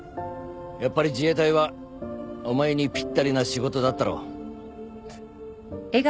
やっぱり自衛隊はお前にぴったりな仕事だったろ。